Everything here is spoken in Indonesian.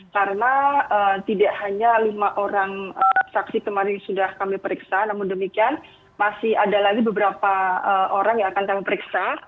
karena tidak hanya lima orang saksi kemarin sudah kami periksa namun demikian masih ada lagi beberapa orang yang akan kami periksa